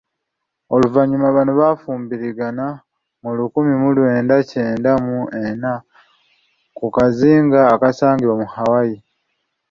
Oluvannyuma bano bafumbirigana mu lukumi mu lwenda kyenda mu ena ku kazinga akasangibwa mu Hawai.